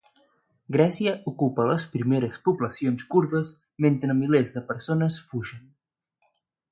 Grècia ocupa les primeres poblacions kurdes mentre milers de persones fugen.